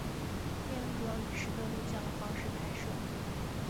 电影主要以拾得录像的方式拍摄。